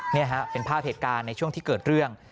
นี่ฮะเป็นภาพเหตุการณ์ในช่วงที่เกิดเรื่อง